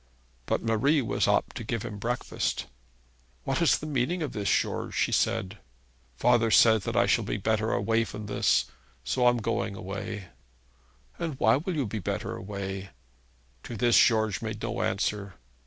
But Marie was up to give him his breakfast. 'What is the meaning of this, George?' she said. 'Father says that I shall be better away from this, so I'm going away.' 'And why will you be better away?' To this George made no answer.